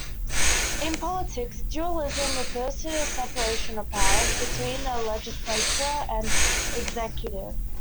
In politics, dualism refers to the separation of powers between the legislature and executive.